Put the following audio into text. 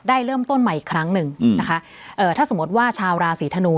เริ่มต้นใหม่อีกครั้งหนึ่งอืมนะคะเอ่อถ้าสมมติว่าชาวราศีธนู